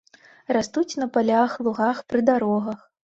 Растуць на палях, лугах, пры дарогах.